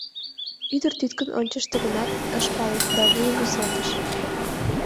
Ӱдыр тӱткын ончышто гынат, ыш пале да вуйым рӱзалтыш.